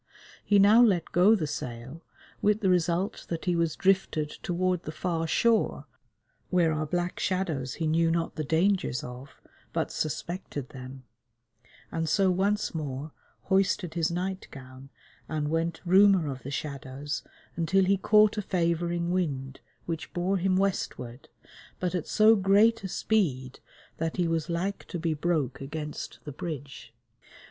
He now let go the sail, with the result that he was drifted toward the far shore, where are black shadows he knew not the dangers of, but suspected them, and so once more hoisted his night gown and went roomer of the shadows until he caught a favouring wind, which bore him westward, but at so great a speed that he was like to be broke against the bridge.